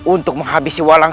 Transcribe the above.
untuk menghabisi walang